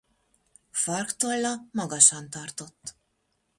Farktolla magasan tartott.